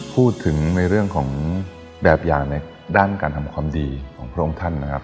พูดถึงในเรื่องของแบบอย่างในด้านการทำความดีของพระองค์ท่านนะครับ